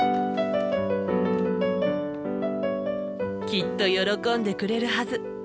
きっと喜んでくれるはず。